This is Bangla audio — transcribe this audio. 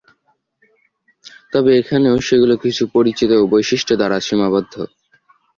তবে এখানেও সেগুলো কিছু পরিচিত বৈশিষ্ট্য দ্বারা সীমাবদ্ধ।